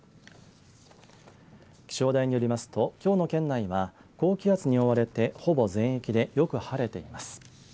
気象台によりますときょうの県内は高気圧に覆われてほぼ全域でよく晴れています。